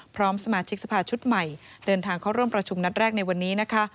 พร้อมสมาชิกสภาชุดใหม่เดินทางเข้าร่วมประชุมนัดแรกในวันนี้นะคะ